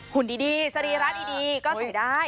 หุ่นดีสระร้านดีดีก็สวยได้